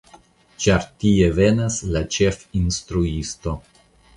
Ĉar tie venas la ĉefinstruisto.